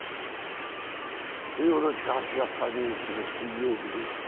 同じく８月３０日の水曜日です。